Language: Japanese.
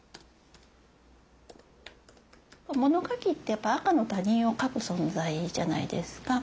物書きってやっぱ赤の他人を書く存在じゃないですか。